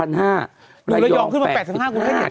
ดูระยองขึ้นมา๘๕กูได้เห็น